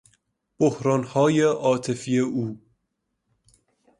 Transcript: بحرانهای عاطفی او